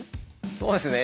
そうですね